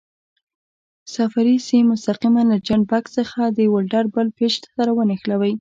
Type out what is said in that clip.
صفري سیم مستقیماً له جاینټ بکس څخه د ولډر بل پېچ سره ونښلوئ.